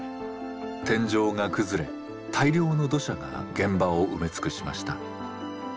天井が崩れ大量の土砂が現場を埋め尽くしました。